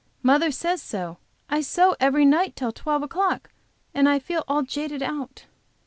Mother says so. I sew every night till twelve o'clock, and I feel all jaded out."